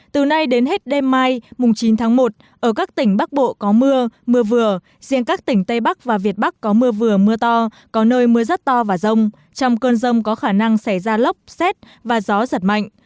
từ nay đến hết đêm mai chín tháng một ở các tỉnh bắc bộ có mưa mưa vừa riêng các tỉnh tây bắc và việt bắc có mưa vừa mưa to có nơi mưa rất to và rông trong cơn rông có khả năng xảy ra lốc xét và gió giật mạnh